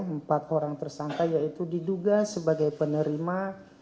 empat orang tersangka yaitu diduga sebagai penerima